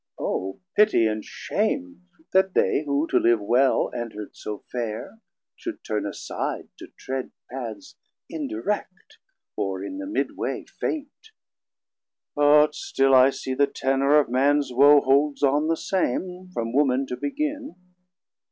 O pittie and shame, that they who to live well Enterd so faire, should turn aside to tread Paths indirect, or in the mid way faint! But still I see the tenor of Mans woe Holds on the same, from Woman to begin.